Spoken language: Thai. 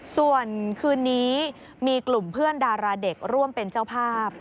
ส่วนคืนนี้มีกลุ่มเพื่อนดาราเด็กร่วมเป็นเจ้าภาพ